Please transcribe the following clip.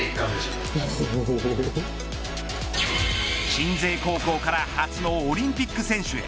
鎮西高校から初のオリンピック選手へ。